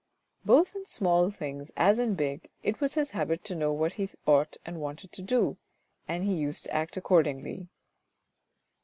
Both in small things as in big it was his habit to know what he ought and wanted to do, and he used to act accordingly.